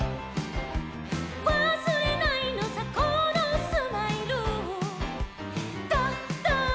「わすれないのさこのスマイル」「ドド」